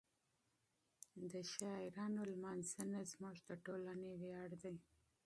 د شاعرانو لمانځنه زموږ د ټولنې ویاړ دی.